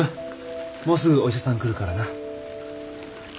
もうすぐお医者さん来るからな。